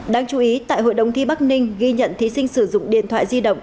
đáng chú ý tại hội đồng thi bắc ninh ghi nhận thí sinh sử dụng điện thoại di động